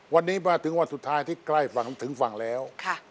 วันนี้มาถึงวันสุดท้ายที่ใกล้ฝั่งถึงฝั่งแล้ว